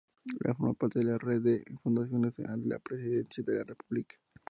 Forma parte de la Red de Fundaciones de la Presidencia de la República.